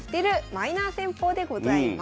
マイナー戦法」でございます。